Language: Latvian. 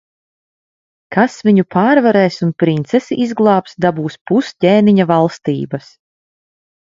Kas viņu pārvarēs un princesi izglābs, dabūs pus ķēniņa valstības.